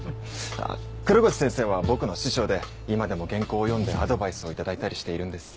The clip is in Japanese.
黒越先生は僕の師匠で今でも原稿を読んでアドバイスを頂いたりしているんです。